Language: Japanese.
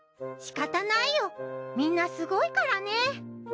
しかたないよみんなすごいからね。